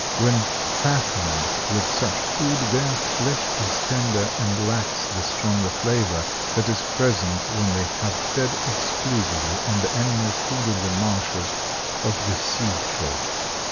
When fattened with such food their flesh is tender and lacks the stronger flavor that is present when they have fed exclusively on the animal food of the marshes of the sea shore.